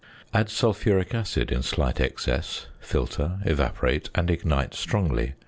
Add sulphuric acid in slight excess, filter, evaporate, and ignite strongly.